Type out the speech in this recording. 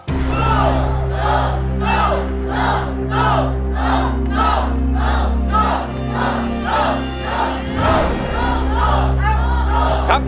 สู้ครับ